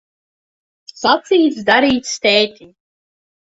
Sacīts, darīts, tētiņ.